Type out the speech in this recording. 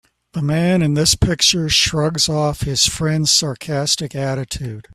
The man in this picture shrugs off his friends sarcastic attitude